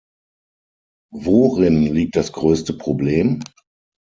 Worin liegt das größte Problem?